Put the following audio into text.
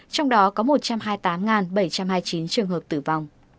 trong đó có một trăm hai mươi tám bảy trăm hai mươi chín trường hợp tử vong